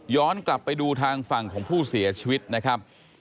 กลับไปดูทางฝั่งของผู้เสียชีวิตนะครับ